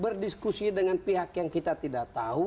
berdiskusi dengan pihak yang kita tidak tahu